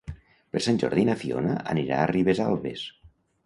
Per Sant Jordi na Fiona anirà a Ribesalbes.